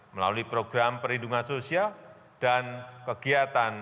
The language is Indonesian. melalui program perlindungan kesehatan